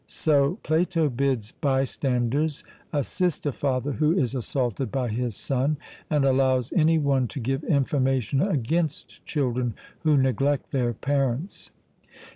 So Plato bids bystanders assist a father who is assaulted by his son, and allows any one to give information against children who neglect their parents.